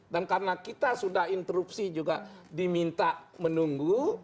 dan karena kita sudah interupsi juga diminta menunggu